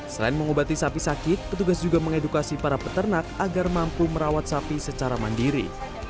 selain mengobati sapi sakit petugas juga mengedukasi para peternak agar mampu merawat sapi secara mandiri